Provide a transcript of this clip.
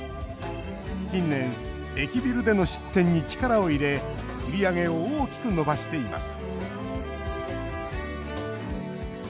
近年、駅ビルでの出店に力を入れ売り上げを大きく伸ばしています